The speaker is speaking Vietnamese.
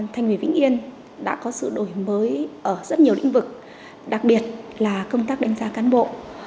thành ủy vĩnh yên đã có sự đổi mới ở rất nhiều lĩnh vực đặc biệt là công tác đánh giá cán bộ